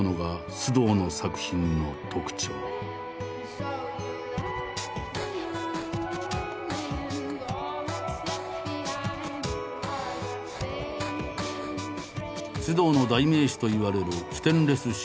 須藤の代名詞といわれるステンレスシリーズ。